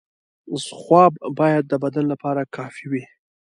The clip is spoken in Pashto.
خواب باید د بدن لپاره کافي وي.